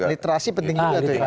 literasi penting juga tuh ya